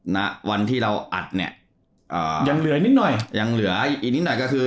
ณวันที่เราอัดเนี่ยอ่ายังเหลือนิดหน่อยยังเหลืออีกนิดหน่อยก็คือ